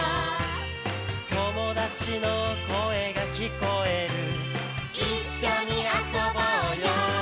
「友達の声が聞こえる」「一緒に遊ぼうよ」